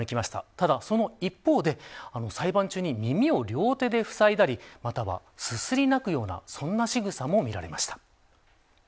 ただ、その一方で裁判中に耳を両手でふさいだりまたは、すすり泣くようなそんなしぐさも見られました。